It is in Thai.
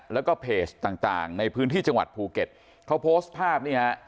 แล้วก็เพจต่างต่างในพื้นที่จังหวัดภูเก็ตเขาโพสต์ภาพนี่ฮะ